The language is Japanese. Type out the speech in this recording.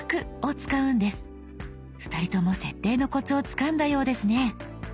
２人とも設定のコツをつかんだようですね。